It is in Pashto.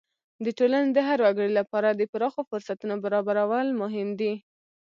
د ټولنې د هر وګړي لپاره د پراخو فرصتونو برابرول مهم دي.